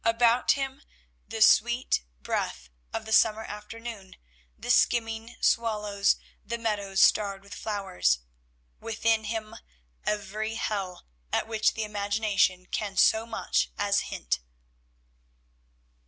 ... About him the sweet breath of the summer afternoon, the skimming swallows, the meadows starred with flowers; within him every hell at which the imagination can so much as hint.